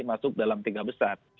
masuk dalam tiga besar